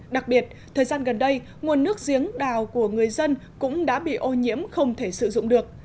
đặc biệt thời gian gần đây nguồn nước giếng đào của người dân cũng đã bị ô nhiễm không thể sử dụng được